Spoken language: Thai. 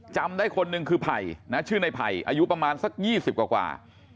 จำได้คนหนึ่งคือไผ่นะชื่อในไผ่อายุประมาณสัก๒๐กว่า